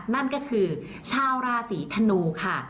นั่นก็คือชาวราศีธนูค่ะ